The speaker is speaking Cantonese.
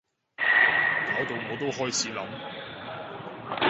搞到我都開始諗